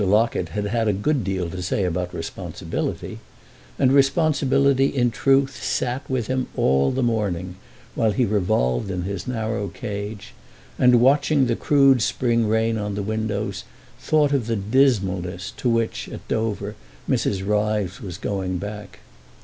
Locket had had a good deal to say about responsibility; and responsibility in truth sat there with him all the morning, while he revolved in his narrow cage and, watching the crude spring rain on the windows, thought of the dismalness to which, at Dover, Mrs. Ryves was going back.